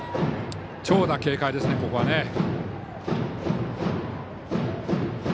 長打警戒ですね、ここはね。